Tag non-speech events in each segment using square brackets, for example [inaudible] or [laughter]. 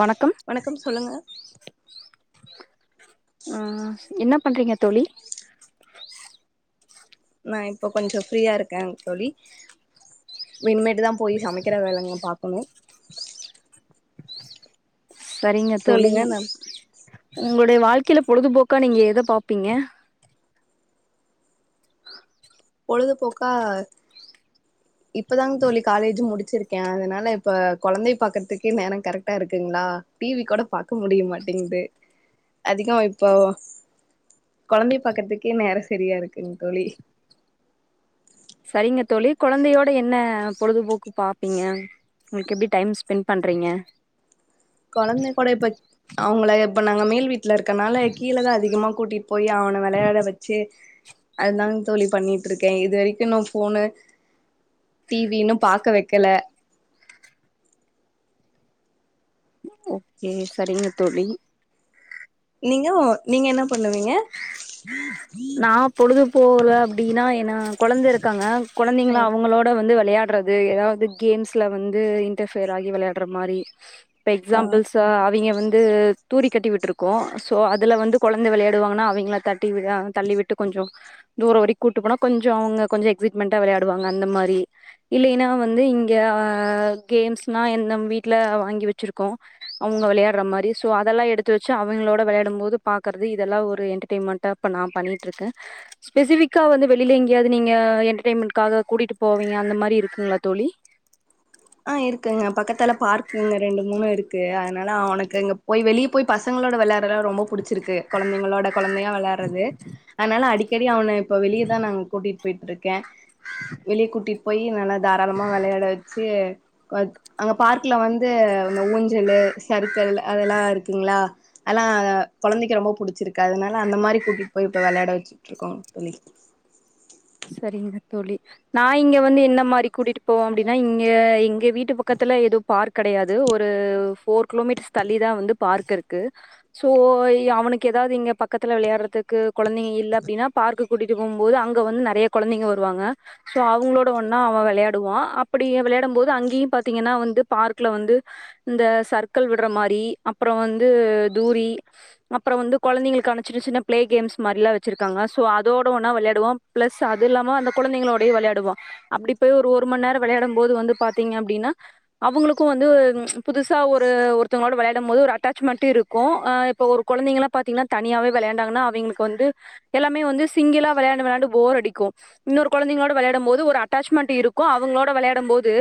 வணக்கம் ஆ என்ன பண்றீங்க தோழி நா இப்போ கொஞ்சோ ஃப்ரீயா இருக்கேங் தோழி இனிமேட்டு தா போயி சமைக்கிற வேலைங்க பாக்கணு செரிங்க தோழி சொல்லுங்க நா உங்ளுடைய வாழ்க்கையில பொழுதுபோக்கா நீங்க எத பாப்பீங்க பொழுதுபோக்கா [inaudible] இப்பதாங்க தோழி காலேஜ் முடிச்சிருக்கே அதனால இப்ப கொழந்தைய பாக்கற்துக்கே நேரோ கரெக்டா இருக்குங்ளா டி வி கூட பாக்க முடியமாட்டேங்குது அதிகோ இப்போ கொழந்தைய பாக்கற்துக்கே நேரோ செரியா இருக்குங் தோழி செரிங்க தோழி கொழந்தையோட என்ன பொழுதுபோக்கு பாப்பீங்க ம் உங்ளுக்கு எப்டி டைம் ஸ்பெண்ட் பண்றீங்க கொழந்தைக்கூட இப்போ அவுங்ள இப்ப நாங்க மேல்வீட் ல இருக்கன்னால கீழதா அதிகமா கூட்டிட் போயி அவன வெளையாட வெச்சு அதுதாங்க தோழி பண்ணிட்ருக்கே இதுவெரிக்கு நோ ஃபோனு டி வி இன்னூ பாக்க வெக்கல ஓகே செரிங்க தோழி நீங்க நீங்க என்ன பண்ணுவீங்க நா பொழுதுபோகல அப்டினா ஏனா கொழந்த இருக்காங்க ஆ கொழந்தீங்கள அவுங்களோட வந்து வெளையாட்ற து ஏதாவது கேம்ஸ்ல வந்து இன்ரப்பியர் ஆகி வெளையாட்ற மாரி இப்ப ஆ எக்ஸாம்பிள்ஸ் இப்போ அவிங்க வந்து தூரி கட்டி விட்ருக்கோ ஸோ அதுல வந்து கொழந்த வெளையாடுவாங்கனா அவிங்ள தட்டி விழ தள்ளி விட்டு கொஞ்சோ தூரோ வெரிக் கூட்டு போனா கொஞ்சோ அவுங்க கொஞ்சோ அவுங்க கொஞ்சோ எக்சிட்மெண்ட்டா வெளாயாடுவாங்க அந்த மாரி இல்லைனா வந்து இங்கே ஆ கேம்ஸ்னா என் நம் வீட்ல வாங்கி வெச்சிருக்கோ அவுங்க வெளயாட்ற மாரி சோ அதல்லா எடுத்து வெச்சு அவங்களோட வெளாடு போது பாக்கற்து இதெல்லா ஒரு என்டர்டெயிமெண்டா இப்ப நா பண்ணிட்ருக்கே ஸ்பெசிவிக்கா வந்த வெளில எங்கியாவ்து நீங்க என்டர்டெயிமெண்ட்காக கூட்டிட்டு போவீங்க அந்த மாரி இருக்குங்ளா தோழி ஆ இருக்குங்க பக்கத்துல பார்க்குங்க ரெண்டு மூணு இருக்கு அதனால அவுனுக்கு இங்க போய் வெளிய ப்போய் பசங்களோட வெளையாற்லா ரொம்போ புடிச்சிருக்கு கொழந்தைங்களோட கொழந்தையா வெளாற்றது அதனால அடிக்கடி அவன இப்ப வெளியேதா நாங்க கூட்டிட்போயிட்ருக்கே வெளியே கூட்டிட் போயி நல்லா தாராளமா வெளையாட வெச்சு ஏ வ அங்க பார்க்குல வந்து இந்த ஊஞ்சலு சருக்கள் அதலா இருக்குங்ளா அலா கொழந்தைக்கு ரொம்ப புடிச்சிருக்கு அதனால அந்த மாரி கூட்டிட் போய் இப்ப விளையாட வச்சுட்ருக்கோ தோழி சரிங்க தோழி நா இங்க வந்து என்ன மாரி கூட்டிட்டு போவோ அப்டின்னா இங்க எங்க வீட்டு பக்கத்துல எதோ பார்க் கடையாது ஒரு போஃர் கிலோமீட்டர்ஸ் தள்ளிதா வந்து பார்க் இருக்கு சோ அவனுக்கு எதாவ்து இங்க பக்கத்துல விளையாடுறதுக்கு கொழந்தைங்க இல்ல அப்டின்னா பார்க்கு கூட்டிட்டு போகுபோது அங்க வந்து நறய கொழந்தைங்க வருவாங்க சோ அவுங்களோட ஒண்ணா அவ வெளையாடுவா அப்டி வெளையாடம் போது அங்கேயு பாத்தீங்கன்னா வந்து பார்க்ல வந்து இந்த சர்க்கள் விட்ற மாரி அப்பொற வந்து தூரி அப்பறோ வந்து கொழந்தைங்களுக்கான சின்ன சின்ன ப்ளே கேம்ஸ் மாரில்லா வச்சிருக்காங்க சோ அதோட ஒன்னா வெளையாடுவா ப்ளஸ் ஸ் அது இல்லாம அந்த கொழந்தைங்களோடையு வெளையாடுவா அப்டி போய் ஒரு ஒரு மண் நேரொ வெளையாடம் போது வந்து பாத்தீங்க அப்டின்னா அவுங்களுக்கும் வந்து புதுசா ஒரு ஒருத்தவுங்களோட வெளையாடு போது ஒரு அட்டாச்மெண்ட இருக்கூ கூ அ இப்ப ஒரு கொழந்தைங்கல்லா பாத்தீங்னா தனியாவே வெளையாண்டாங்கன்னா அவிங்ஙளுக்கு வந்து எல்லாமே வந்து சிங்கிளா வெளையாண்டு வெளையாண்டு போர் அடிக்கும் இன்னொரு கொழந்தைங்களோட வெளையாடம் போது ஒரு அட்டாச்மெண்ட் இருக்கூ அவங்களோட வெளையாடம் போது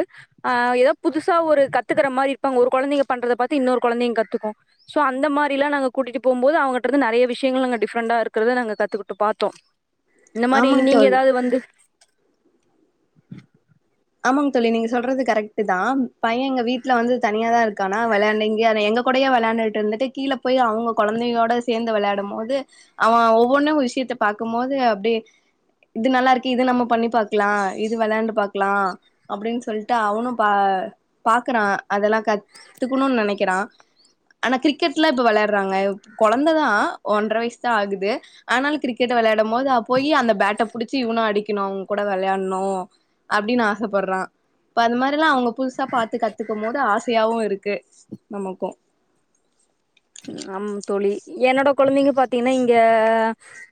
ஆ எதோ புதுசா ஒரு கத்துக்கற மாரி இருப்பாங்க ஒரு கொழந்தைங்க பண்றத பாத்து இன்னொரு கொழந்தைங்க கத்துக்கூ சோ அந்த மாரிலா நாங்க கூட்டிட்டு போம் போது அவங்கிட்ட இருந்து நறைய விஷயங்கள் நாங்க டிஃப்ரெண்டா இருக்கறத நாங்க கத்துக்கிட்டு பாத்தோ இந்த மாரி ஆமாங்க நீங்க தோழி எதாவ்து வந்து ஆமாங்க தோழி நீங்க சொல்றது கரெக்ட் தா பைய எங்க வீட்ல வந்து தனியா தா இருக்கானா வெளையாண்டங்க எங்க கொடையா வெளாண்டுட்டு இருந்துட்டு கீழ போயி அவுங்க கொழந்தையோட சேந்து வெளையாடும் போது அவ ஒவ்வொன்னு விஷயத்த பாக்குபோது அப்டியே இது நல்லா இருக்கு இது நம்ம பண்ணி பாக்லா இது வெளையாண்டு பாக் க்லா அப்டின் சொல்ட்டு அவனு பா பாக்குறா அதெல்லா கத் கத்துக்குணுன்னு நெனைக்கிறா ஆனா கிரிக்கெட்லா இப்ப வெளையாட்றாங்க கொழந்ததா ஒன்ற வயசு தா ஆகுது ஆனாலு கிரிக்கெட்ட வெளையாடும் போது போய் அந்த பேட்டை புடிச்சு இவனு அடிக்கணு அவுங்க கூட வெளையாட்ணு அப்டின்னு ஆசைப்படுறா இப்ப அந்த மாரில்லா அவுங்க புதுசா பாத்து கத்துக்கம் போது ஆசையாவு இருக்கு நமக்கூ ஆமா தோழி என்னோட கொழந்தைங்க பாத்தீங்கன்னா இங்க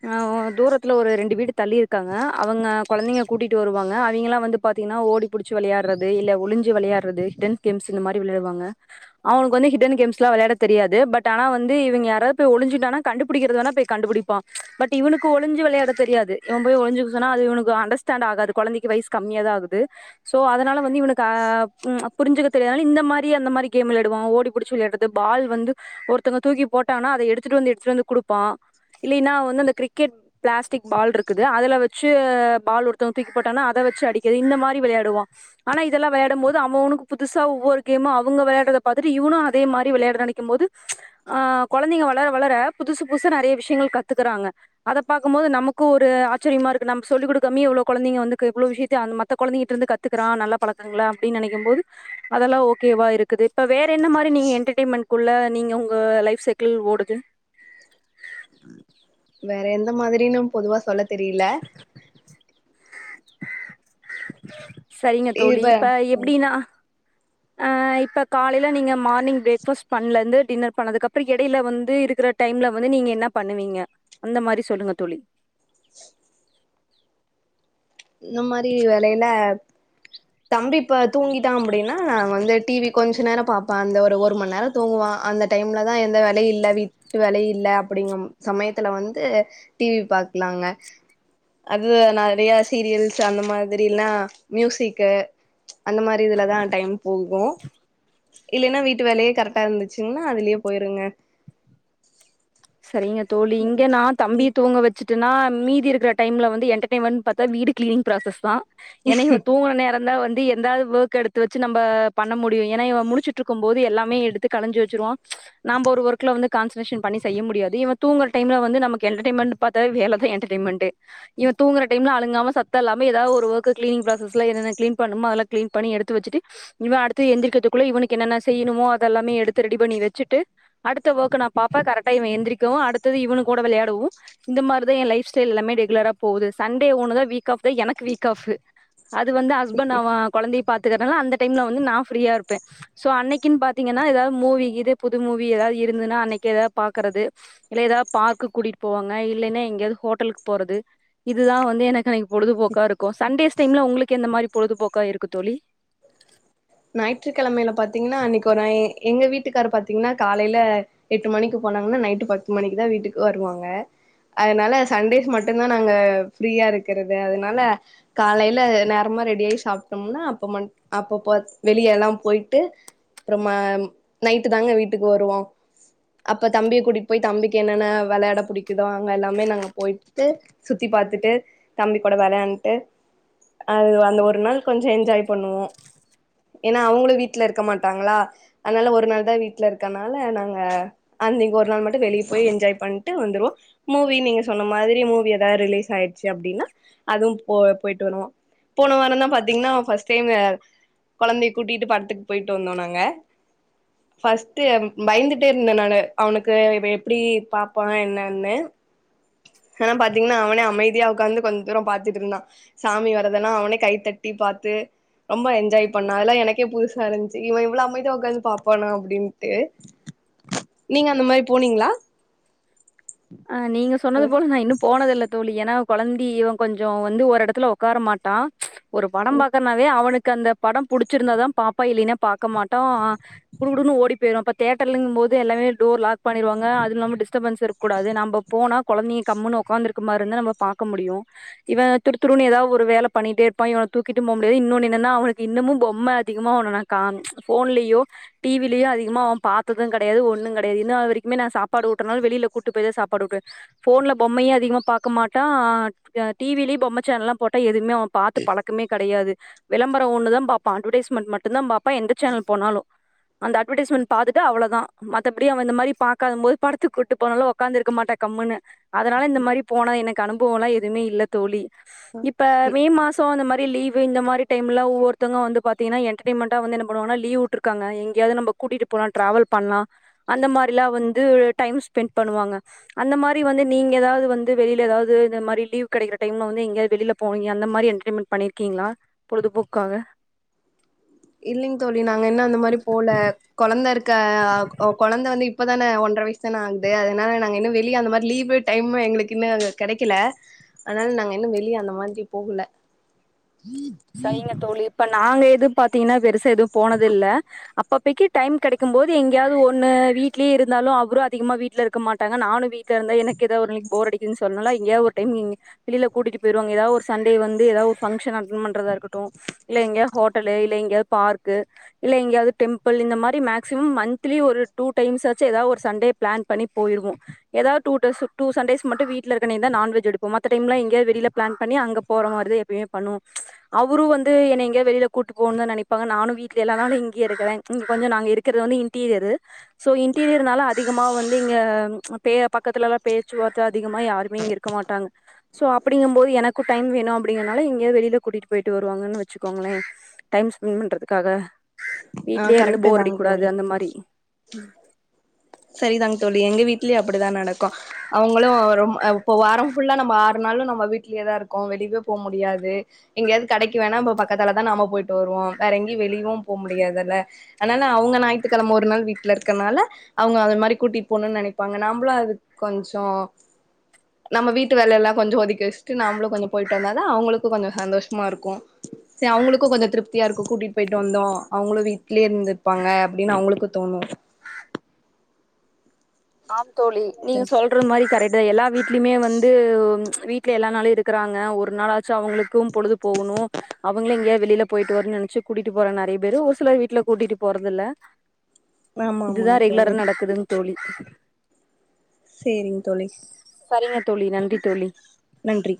ஆ தூரத்துல ஒரு ரெண்டு வீடு தள்ளி இருக்காங்க அவங்க கொழந்தைங்க கூட்டிட்டு வருவாங்க அவிங்கல்லா வந்து பாத்தீங்னா ஓடி புடிச்சி வெளையாட்றது இல்ல ஒழிஞ்சு வெளையாட்றது ஹிட்டன் கேம்ஸ் இந்த மாரி வெளையாடுவாங்க அவுனுக்கு வந்து ஹிட்டன் கேம்ஸ்லா வெளையாட தெரியாது பட் பட் ஆனா வந்து இவிங்க யாராவ்து ஒழிஞ்சிட்டானா கண்டுபுடிக்கிறது வேணா போய் கண்டுபுடிப்பா பட் இவனுக்கு ஒழிஞ்சி வெளையாட தெரியாது இவ போய் ஒழஞ்சுக்க சொன்னா அது இவனுக்கு அண்டர்ஸ்டேன்ட் ஆகாது கொழந்தைக்கு வயஸ் கம்மியாதா ஆகுது சோ அதனால வந்து இவனுக்கு அ ம் புரிஞ்சுக்க தெரியாது அதனால இந்த மாரி அந்த மாரி கேம் விளையாடுவா ஓடிபுடிச்சி விளையாட து பால் வந்து ஒருத்தங்க தூக்கி போட்டாங்கன்னா அத எடுத்துட்டு வந்து எடுத்துட்டு வந்து குடுப்பா இல்லைனா வந்து அந்த கிரிக்கெட் பிளாஸ்டிக் பால் இருக்குது அதுல வச்சு பால் ஒருத்தவுங்க தூக்கிபோட்டாங்கனா அத வச்சு அடிக்கது இந்த மாரி விளையாடுவா ஆனா இதல்லா வெளையாடம் போது அவனுக்கு புதுசா ஒவ்வொரு கேமு அவுங்க வெளையாட்றத பாத்துட்டு இவனு அதே மாரி விளையாட நெனைக்கும்போது ஆ கொழந்தைங்க வளர வளர புதுசு புதுசா நெறைய விஷயங்கள் கத்துக்குறாங்க அத பாக்கும் போது நமக்கு ஒரு ஆச்சரியமா இருக்கு நம் சொல்லிடுக்காமையே எவ்ளோ குழந்தைங்க வந்துக்கு எவ்ளோ வியத்தையு அந்த கொழந்தைகிட்ட இருந்து கத் கத்துக்குறா நல்ல பழக்கங்கள அப்டின்னு நெனைக்கும்போது அதெல்லா ஓகேவா இருக்குது இப்ப வேற என்ன மாரி நீங்க என்டர்டெயன்மெண்ட் குள்ள நீங்க உங்க லைஃப் சைக்கிள் ஓடுது வேற எந்த மாதிரின்னு பொதுவா சொல்ல தெரியல சரிங்க தோழி இப்ப எப்டீனா ஆ இப்ப காலையில நீங்க மார்னிங் ப்ரேக் ஃபாஸ்ட் பண்ணலந்து டின்னர் பண்ணதுக்கு அப்றோ எடையில வந்து இருக்குற டைம்ல வந்து நீங்க என்ன பண்ணுவீங்க அந்த மாரி சொல்லுங்க தோழி இந்த மாரி வேலையிலா தம்பி இப்ப தூங்கிட்டா அப்டின்னா நா வந்து டிவி கொஞ்ச நேரோ பாப்பே அந்த ஒரு ஒரு மண் நேரோ தூங்குவா அந்த டைம்லதா எந்த வேலயு இல்ல விட்டு வேலயு இல்ல அப்டிங்கம் சமயத்துல வந்து டிவி பாக்கலாங்க அது நெறையா சீரியல்ஸ் அந்த மாதிரிலா மியூசிக்கு அந்த மாரி இதுலதா டைம் போகு இல்லேன்னா வீட்டு வேலயே கரெக்டா இருந்துச்சுங்னா அதுலயே போயிருங்க செரிங்க தோழி இங்க நா தம்பி தூங்க வச் வச்சுடன்னா மீதி இருக்குற டைம்ல வந்து என்டர்டைன்மெண்ட் பாத்தா வீடு கிளினிங் ஃப்ராசஸ் தா ஏன்னா இவே தூங்குற நேந்தா வந்து எத் எதாவது ஒர்க் எடுத்து வச்சு நம்ம பண்ண முடியு ஏன்னா இவ முளுச்சுட்டு இருக்கும் போது எல்லாமே எடுத்து களஞ்சு வச்சுருவா நாம ஒரு ஒர்க்ல வந்து கான்சன்ட்ரேசன் பண்ணி செய்ய முடியாது இவ தூங்குற டைம்ல வந்து நமக்கு என்டர்டைன்மெண்ட் பாத்த வேல தா என்டர்டைன்மெண்ட்டு இவ தூங்குற டைம்ல அழுங்காம சத் தோ இல்லாம ஏதாவ ஒரு ஒர்க் கிளினிங் ஃப்ராசஸ்ல என்னென்ன க்ளின் பண்ணுமோ அதெல்ல க்ளின் பண்ணி எடுத்து வச்சுட்டு இவே அடுத்து எழுந்திரிக்கிறதுக்குள்ள இவனுக்கு என்னென்ன செய்யணுமோ அதெல்லாமே எடுத்து ரெடி பண்ணி வச்சுட்டு அடுத்த ஒர்க்க நா பாப்பே கரெக்டா இவன் எந்திரிக்கவு அடுத்தது இவனு கூட வெளையாடவு இந்த மார்தா எ லைப் ஸ்டைல் எல்லாமே ரெகுலரா போகுது சண்டே ஒன்னு தா வீக் ஆஃப் தா எனக்கு வீக்காஃப்பு அது வந்து ஹஸ்பண்ட் அவன் கொழந்தைய பாத்துக்குறனால அந்த டைம்ல வந்து நா ஃப்ரீயா இருப்பே சோ அன்னைக்குன்னு பாத்தீங்கன்னா எதாவது மூவி இது புது மூவி எதாவது இருந்துன்னா அன்னைக்கி எதாது பாக்கறது இல்ல எதாவது பார்க்குக்கு கூட்டிட்டு போவாங்க இல்லன்னா எங்கேயாவது ஹோட்டலுக்கு போறது இதுதா வந்து எனக்கு அன்னைக் பொழுதுபோக்கா இருக்கு சண்டேஸ் டைம்ல உங்களுக்கு எந்த மாரி பொழுதுபோக்கா இருக்கு தோழி ஞாயிற்றுக்கெழமையில பாத்தீங்கன்னா அன்னைக்கு ஒர் நா எங்க வீட்டுக்கார் பாத்தீங்கன்னா காலையில எட்டு மணிக்கு போனாங்கன்னா நைட்டு பத்து மணிக்கு தா வீட்டுக்கு வருவாங்க அதுனால சண்டேஸ் மட்டுந்தா நாங்க ஃப்ரீயா இருக்குறது அதுனால காலையில நேரமா ரெடியாயி சாப்ட்டோம்னா அப்ப மண் அப்ப போ வெளியெல்லா பொயிட்டு அப்பறமா நைட்டு தாங்க வீட்டுக்கு வருவோ அப்ப தம்பிய கூட்டிட்டு போய் தம்பிக்கு என்னென்ன வெளையாட புடிக்குதோ அங்க எல்லாமே நாங்க பொயிட்டு சுத்தி பாத்துட்டு தம்பி கூட வெளயாண்டுட்டு அது அந்த ஒரு நாள் கொஞ்ச என்ஜாய் பண்ணுவோ ஏன்னா அவுங்களு வீட்ல இருக்க மாட்டாங்களா அதுனால ஒரு நாள் தா வீட்ல இருக்கனால நாங்க அன்னைக்கு ஒரு நாள் மட்டு வெளிய போய் என்ஜாய் பண்ட்டு வந்துருவோ மூவி நீங்க சொன்ன மாதிரி மூவி எதாது ரிலீஸ் ஆயிடுச்சு அப்டின்னா அதுவும் போ போயிட்டு வருவோ போன வாரோந்தா பாத்தீங்கன்னா ஃபஸ்ட் டைமு கொழந்தைய கூட்டிட்டு படத்துக்கு போயிட்டு வந்தோ நாங்க ஃபஸ்ட்டு பயந்துட்டே இருந்தே நானு அவனுக்கு இப்ப எப்டி பாப்பா என்னன்னு ஆனா பாத்தீங்னா அவனே அமைதியா ஒக்காந்து கொஞ்ச தூர பாத்துட்டு இருந்தா சாமி வரதெல்லா அவனே கைத்தட்டி பாத்து ரொம்ப என்ஜாய் பண்ணா அதெல்லா எனக்கே புதுசா இருந்துச்சு இவ இவ்ளோ அமைதியா ஒக்காந்து பாப்பானா அப்டின்ட்டு நீங்க அந்த மாரி போனீங்ளா ஆ நீங்க சொன்னது போல நா இன்னு போனதில்ல தோழி ஏனா கொழந்தி இவ கொஞ்ச வந்து ஓரெடத்துல ஒக்கார மாட்டா ஒரு படம் பாக்கற்னாவே அவனுக்கு அந்த படம் புடிச்சுருந்தா தா பாப்பா இல்லைனா பாக்க மாட்டா ஆ குடுகுடுன்னு ஓடி போயிருவா அப்ப தேட்டர்லங்கும் போது எல்லாமே டோர் லாக் பண்ணிருவாங்க அது இல்லாம டிஸ் ஸ்டபென்ஸ் இருக்கூடாது நம்ப போனா கொழந்தைய கம்ன்னு ஒக்காந்துருக்க மாரி இருந்தா நம்ம பாக்க முடியு இவ துருத்துருனு எதாவ் ஒரு வேல பண்ணிக்கிட்டே இருப்பா இவன தூக்கிட்டு போம் முடியாது இன்னொன்னு என்னனா அவனுக்கு இன்னமு பொம்ம அதிகமா ஒன்னொன்னா கானு ஃபோன்லயோ டி வி லயு அதிகமா அவ பாத்தது கெடையாது ஒன்னு கெடையாது இதுனா வரைக்குமே நா சாப்பாடு ஊட் இத்தன் நாள் வெளில கூட்டு போய்தே சாப்பாடு ஊட்டுவே ஃபோன்ல பொம்மையு அதிகமா பாக்க மாட்டா அ டி வி லயு பொம்ம சேனல்லா போட் டா எதுமே அவ பாத்து பழக்கமே கெடையாது வெளம்பர ஒன்னு தா பாப்பா அட்வெடைஸ்மெண்ட் மட்டுந்தா பாப் ப்பா எந்த சேனல் போனாலு அந்த அட்வெடைஸ்மெண்ட் பாத்துட்டு அவளோதா மத்தபடி அவ இந்த மாரி பாக்காதம் போது படத்துக்கு கூட்டு போனாலு ஒக்காந்துருக்க மாட்டா கம்முனு அதனால இந்த மாரி போன எனக்கு அனுபவலா எதுமே இல்லத் தோழி இப்ப மே மாச சோ அந்த மாரி லீவு இந்த மாரி டைம்லலா ஒவ்வொருதவ்ங்க வந்து பாத்தீங்கனா என்டர்டைன்மெண்டா வந்து என்ன பண்ணுவாங்கனா லீவு விட்ருகாங்க எங்கெயாவ்து நம்ப கூட்டிட்டு போலா டிராவல் பண்லா அந்த மாரிலா வந்து டைம் ஸ்பெண்ட் பண்ணுவாங்க அந்த மாரி வந்து நீங்க எதாவ்து வந்து வெளில எதாவ்து இந்த மாரி லீவ் கெடைக்கிற டைம்ல வந்து எங்கயாது வெளில போவிங்க அந்த மாரி என்டர்டைன்மெண்ட் பண்ணிருக்கீங்ளா பொழுதுபோக்குகாக இல்லைங் தோழி நாங்க இன்னு அந்த மாரி போல கொழந்த இருக்க ஆக் அ கொழந்த வந்து இப்பதானே ஒன்ற வயசு தான ஆகுது அதனால நாங்க இன்னு வெளிய அந்த மாரி லீவிட் டைமு எங்களுக்கு இன்னு கெடைக்கல அதனால நாங்க இன்னு வெளிய அந்த மாதிரி போகல ஈ சரிங்க தோழி இப்ப நாங்க எது பாத்தீங்கனா பெருசா எதுவு போனதில்ல அப் பப்பக்கி டைம் கெடைக்கும் போது எங்கெயாவ்து ஒன்னு வீட்லே இருந்தாலு அவ்ரு அதிகமா வீட்ல இருக்க மாட்டாங்க நானு வீட் ட்ல இருந்தா எனக்கு எதா ஒரு நாளைக்கி போர் அடிக்குதுன் சொன்னாலா எங்கெயாவ்து ஒரு டைம் இங்க வெளில கூட்டிட்டு போயிருவாங்க எதா ஒரு சண்டே வந்து எதா ஒரு ஃபங்க்ஷன் அட்டன் பண்றதா இருக்கட்டு இல்ல எங்கயா ஹோட்டலு இல்ல எங்கயாது பார்க்கு இல்ல எங்கெயாவ்து டெம்பிள் இந்த மாரி மேக்சிமம் மந்த்லி ஒரு டூ டைம்ஸ் ஆச்சு எதா ஒரு சண்டே பிளான் பண்ணி போய்ருவோ எதாவ்து டூடஸ் டூ சண்டேஸ் மட்டு வீட்லருக்க அன்னைக்குதா நான்வெஜ் எடுப்போ மத்த டைம்லா எங்கெயாது வெளில பிளான் பண்ணி அங்க போற மாரிதே இப்டியே பண்ணுவோ அவுரு வந்து என்னைய எங்கெயா வெளில கூட்டு போணு தா நெனைப்பாங்க நானு வீட்ல எல்லா நாளு இங்கயே இருக்குறேன் இங்க கொஞ்ச நாங்க இருக்கிறது வந்து இன்டீரியரு ஸோ இன்டீரியர்னால அதிகமா வந்து இங்க அ பேற பக்கத்துலதா பேச்சுவார்த்த அதிகமா யாருமே இங்க இருக்க மாட்டாங்க சோ அப்டிங்கம் போது எனக்கு டைம் வேணு அப்டிங்கிறனால எங்கெயாவ்து வெளிலக் கூட்டிட்டு போய்ட்டு வருவாங்கன்னு வெச்சுக்கோங்களே டைம் ஸ்பெண்ட் பண்றதுக்காக ஆ வீட்லயே இருந்து கரெக்ட் போர் அடிக்க தாங்க கூடாது தோழி அந்த மாரி சரிதாங் தோழி எங்க வீட்லயு அப்டிதா நடக்கு அவுங்களு ரொம் இப்ப வாரோ ஃபுல்லா நம்ம ஆறு நாளு நம்ம வீட்லயே தா இருக்கோ வெளிவே போ முடியாது எங்கயாது கடைக்கி வேணா பக்கத்துல தா நாம போய்ட்டு வருவோ வேற எங்கெயு வெளியு போ முடியாதுல்ல அனால அவங்க ஞாயி்த்துகெழம ஒரு நாள் வீட்ல இருக்கனால அவுங்க அத மாரி கூட்டிட் போணுன் நெனைப்பாங்க நம்ளு அது கொஞ்சோ [inaudible] நம்ம வீட்டு வேலல்லா கொஞ்சோ ஒதுக்கி வச்சுட்டு நாமளு கொஞ்சோ போய்ட்டு வந்தா தா அவுங்களுக்கு கொஞ்சோ சந்தோஷமா இருக்கு சரி அவுங்களுக்கு கொஞ்சோ திருப்தியா இருக்கு கூட்டிட்டு போய்ட்டு வந்தோ அவுங்களு வீட்லயே இருந்திருப்பாங்க அப்டினு அவுங்களுக்கு தோணு ஆம் தோழி நீங்க சொல் சொல்ற மாரி கரெக்ட் தா எல்லா வீட்லமே வந்து வீட்ல எல்லா நாளு இருக்கிறாங்க ஒரு நாளாச்சு அவங்களுக்கும் பொழுது போகோணு அவங்கள எங்கயா வெளில போய்ட்டு வரனு நெனச்சு கூட்டிட்டு போற நெறைய பேரு ஒரு சில வீட்ல கூட்டிட்டு போறதில்ல ஆமா இதுதா ஆமாங்க தோழி ரெகுலரா நடக்குதுங் தோழி சேரிங்க தோழி சரிங்க தோழி நன்றி தோழி நன்றி